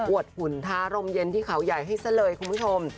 วดหุ่นท้ารมเย็นที่เขาใหญ่ให้ซะเลยคุณผู้ชม